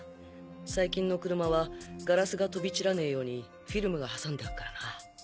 最近の車はガラスが飛び散らねえようにフィルムが挟んであっからな。